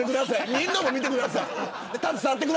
見るのも見てください。